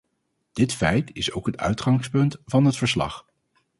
Dit feit is ook het uitgangspunt van het verslag.